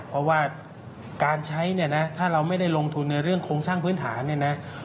เพราะว่าการใช้ถ้าเราไม่ได้ลงทุนในเรื่องโครงสรรพื้นฐาน